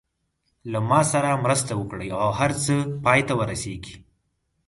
له ما سره مرسته وکړي او هر څه پای ته ورسېږي.